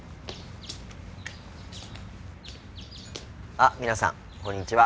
あ皆さんこんにちは。